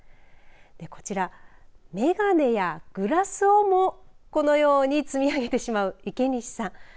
こちら眼鏡やグラスをもこのように積み上げてしまう、池西さん。